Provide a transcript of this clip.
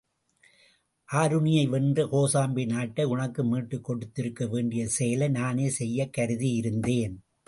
ஆருணியை வென்று கோசாம்பி நாட்டை உனக்கு மீட்டுக் கொடுத்திருக்க வேண்டிய செயலை நானே செய்யக் கருதியிருந்தேன்.